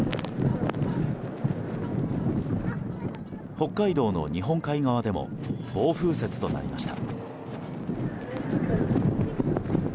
北海道の日本海側でも暴風雪となりました。